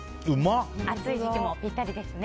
暑い時期もぴったりですね。